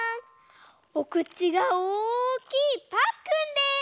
おくちがおおきいパックンです！